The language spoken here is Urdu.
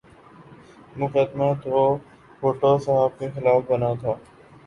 مقدمہ تو بھٹو صاحب کے خلاف بنا تھا۔